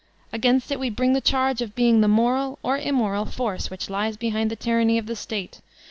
Against it we bring the charge of being the moral (or immoral) force which lies behind the tyranny of the State.